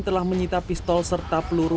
telah menyita pistol serta peluru